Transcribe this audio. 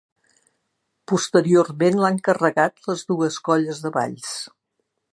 Posteriorment l'han carregat les dues colles de Valls.